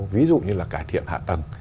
ví dụ như là cải thiện hạ tầng